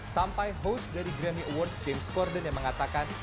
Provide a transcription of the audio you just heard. sampai host dari grammy awards james corden yang mengatakan